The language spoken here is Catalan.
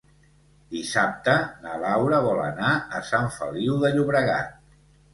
Dissabte na Laura vol anar a Sant Feliu de Llobregat.